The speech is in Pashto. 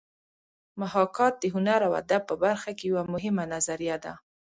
محاکات د هنر او ادب په برخه کې یوه مهمه نظریه ده